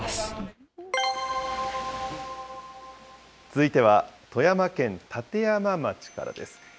続いては富山県立山町からです。